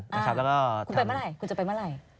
แล้วก็คุณไปเมื่อไหร่คุณจะไปเมื่อไหร่